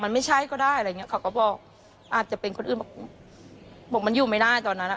มันไม่ใช่ก็ได้อะไรอย่างเงี้เขาก็บอกอาจจะเป็นคนอื่นบอกบอกมันอยู่ไม่ได้ตอนนั้นอ่ะ